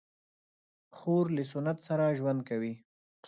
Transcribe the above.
خور له سنت سره ژوند کوي.